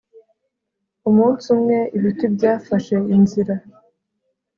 umunsi umwe, ibiti byafashe inzira